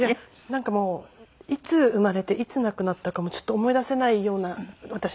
なんかもういつ生まれていつ亡くなったかもちょっと思い出せないような私の中では事で。